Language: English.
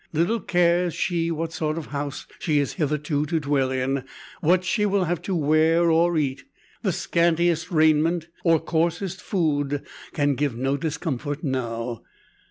Little cares she what sort of house she is hitherto to dwell in, what she will have to wear, or eat. The scantiest raiment, or coarsest food, can give no discomfort now.